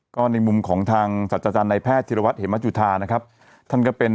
ก็ในมุมของทางสัจจารย์ในแพทย์ธิรวัตรเหมจุธานะครับท่านก็เป็น